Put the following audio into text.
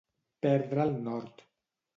Perdre el nord.